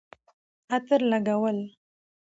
عطر لګول